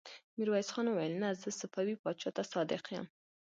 ميرويس خان وويل: نه! زه صفوي پاچا ته صادق يم.